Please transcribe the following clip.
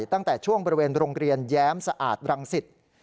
ตั้งแต่ช่วงบริเวณโรงเรียนแย้มสะอาดรังสิต